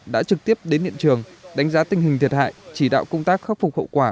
đã trực tiếp đến hiện trường đánh giá tình hình thiệt hại chỉ đạo công tác khắc phục hậu quả